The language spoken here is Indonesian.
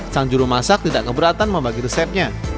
sang jurumasak tidak keberatan membagi resepnya